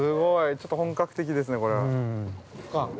ちょっと本格的ですね、これは。